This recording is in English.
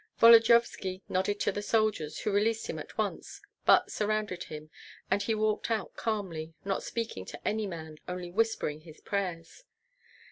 Volodyovski nodded to the soldiers, who released him at once, but surrounded him; and he walked out calmly, not speaking to any man, only whispering his prayers.